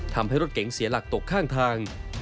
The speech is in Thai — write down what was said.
ทำให้รถเก๋งเสียหลักตกข้างทาง